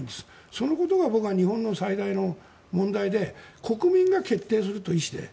そのことが僕は日本の最大の問題で国民が決定すると、意思で。